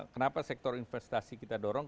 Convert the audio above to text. kenapa sektor investasi kita dorong